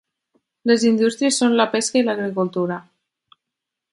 Les indústries són la pesca i l'agricultura.